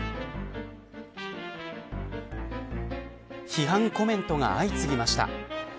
批判コメントが相次ぎました。